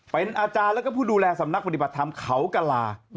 เป็นอาจารย์แล้วก็ผู้ดูแลสำนักปฏิบัติธรรมเขากลา